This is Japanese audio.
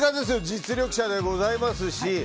実力者でございますし。